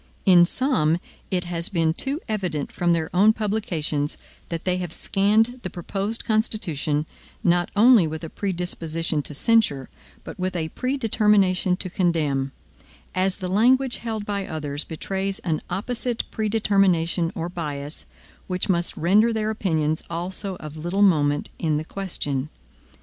In some, it has been too evident from their own publications, that they have scanned the proposed Constitution, not only with a predisposition to censure, but with a predetermination to condemn; as the language held by others betrays an opposite predetermination or bias, which must render their opinions also of little moment in the question.